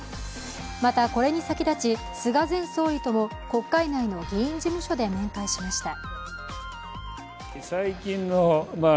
また、これに先立ち菅前総理とも国会内の議員事務所で面会しました。